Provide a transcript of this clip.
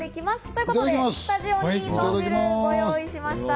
ということでスタジオにとん汁をご用意しました。